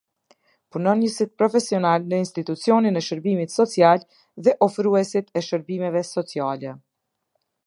Punonjësit profesional në institucionin e shërbimit social dhe ofruesit e shërbimeve sociale.